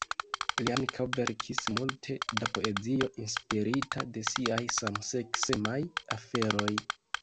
Li ankaŭ verkis multe da poezio inspirita de siaj samseksemaj aferoj.